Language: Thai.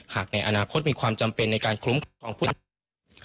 ๓หากในอนาคตมีความจำเป็นในการคลุมของผู้ละคร